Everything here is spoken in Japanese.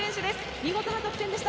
見事な得点でした。